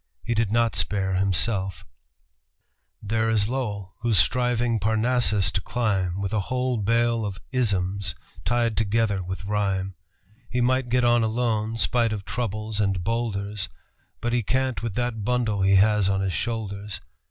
He did not spare himself: "There is Lowell, who's striving Parnassus to climb With a whole bale of isms tied together with rhyme. He might get on alone, spite of troubles and bowlders, But he can't with that bundle he has on his shoulders.